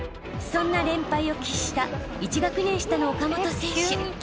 ［そんな連敗を喫した１学年下の岡本選手